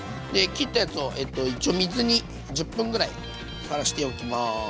切ったやつを一応水に１０分ぐらいさらしておきます。